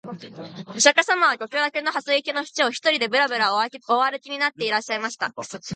御釈迦様は極楽の蓮池のふちを、独りでぶらぶら御歩きになっていらっしゃいました